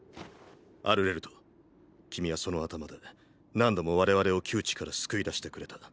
アルレルト君はその頭で何度も我々を窮地から救い出してくれた。